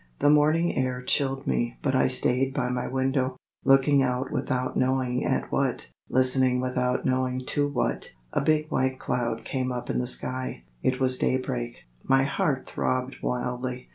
The morning air chilled me but I stayed by my window, looking out without knowing at what, listening without knowing to what. A big white cloud came up in the sky. It was daybreak. My heart throbbed wildly.